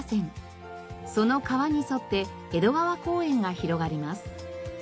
その川に沿って江戸川公園が広がります。